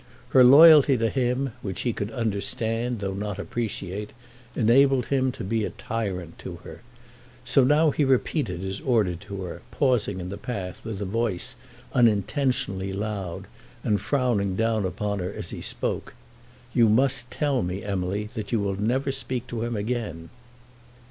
Her loyalty to him, which he could understand though not appreciate, enabled him to be a tyrant to her. So now he repeated his order to her, pausing in the path, with a voice unintentionally loud, and frowning down upon her as he spoke. "You must tell me, Emily, that you will never speak to him again."